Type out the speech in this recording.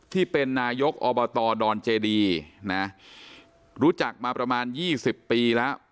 ที่เป็นนายกอบตดอนเจดีนะรู้จักมาประมาณ๒๐ปีแล้ว